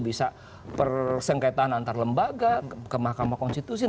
bisa persengketaan antar lembaga ke mahkamah konstitusi